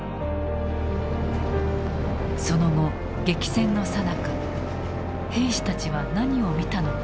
その後激戦のさなか兵士たちは何を見たのか。